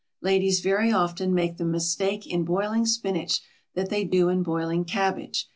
Ladies very often make the mistake in boiling spinach that they do in boiling cabbage.